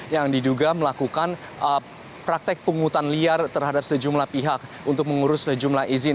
yang diduga melakukan praktek pungutan liar terhadap sejumlah pihak untuk mengurus sejumlah izin